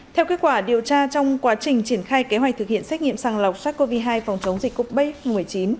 theo kết quả điều tra trong quá trình triển khai kế hoạch thực hiện xét nghiệm sàng lọc sars cov hai phòng chống dịch covid một mươi chín